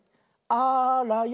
あらよ。